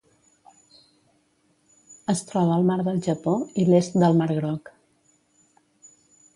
Es troba al Mar del Japó i l'est del Mar Groc.